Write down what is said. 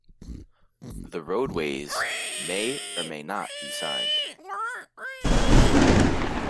These roadways may or may not be signed.